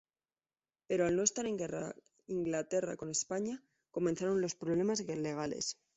Pero al no estar en guerra Inglaterra con España comenzaron los problemas legales.